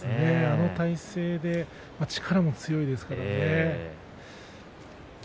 あの体勢で力も強いですからね。